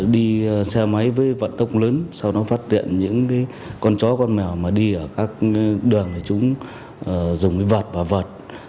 đi xe máy với vận tốc lớn sau đó phát triển những con chó con mèo mà đi ở các đường chúng dùng vật và vật